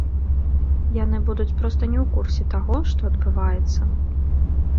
Яны будуць проста не ў курсе таго, што адбываецца.